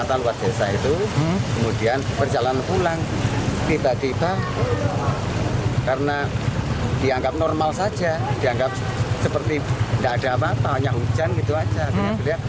tidak ada apa apa hanya hujan gitu saja